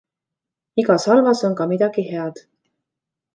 Igas halvas on ka midagi head.